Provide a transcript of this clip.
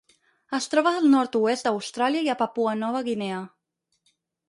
Es troba al nord-oest d'Austràlia i a Papua Nova Guinea.